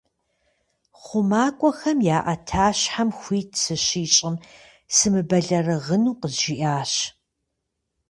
ХъумакӀуэхэм я Ӏэтащхьэм хуит сыщищӀым, сымыбэлэрыгъыну къызжиӀащ.